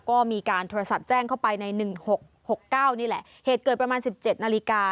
ก็มีการโทรศัพท์แจ้งเข้าไปในหนึ่งหกหกเก้านี่แหละเหตุเกิดประมาณสิบเจ็ดนาฬิกา